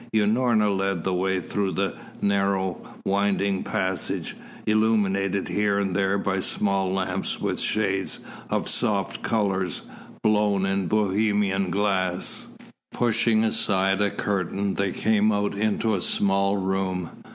Unorna led the way through a narrow, winding passage, illuminated here and there by small lamps with shades of soft colours, blown in Bohemian glass. Pushing aside a curtain they came out into a small room.